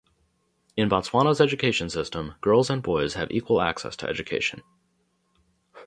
In Botswana's education system, girls and boys have equal access to education.